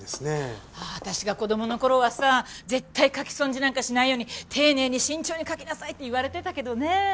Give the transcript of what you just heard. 私が子供の頃はさ絶対書き損じなんかしないように丁寧に慎重に書きなさいって言われてたけどねえ。